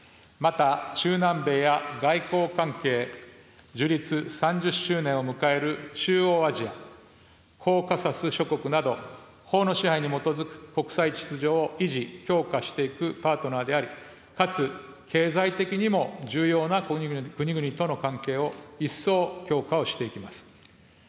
また中南米や外交関係樹立３０周年を迎える中央アジア・コーカサス諸国など、法の支配に基づく国際秩序を維持、強化していくパートナーであり、かつ経済的にも重要な国々との関係を一層強化をしていきます。